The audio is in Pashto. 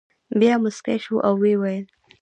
بیا مسکی شو او ویې ویل.